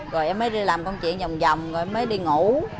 rồi em mới đi làm công chuyện vòng vòng rồi em mới đi ngủ